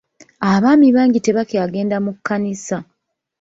Abaami bangi tebakyagenda mu kkanisa.